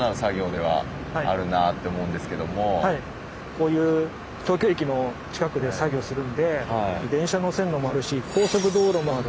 こういう東京駅の近くで作業するんで電車の線路もあるし高速道路もある。